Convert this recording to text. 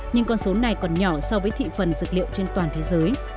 nhưng con số này còn nhỏ so với thị phần dược liệu trên toàn thế giới